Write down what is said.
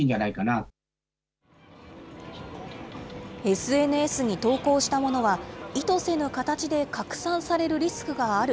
ＳＮＳに投稿したものは、意図せぬ形で拡散されるリスクがある。